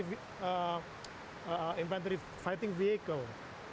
terus kemudian ada versi easy gagang cara